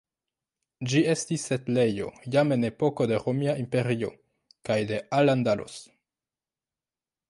Ĝi estis setlejo jam en epoko de Romia Imperio kaj de Al-Andalus.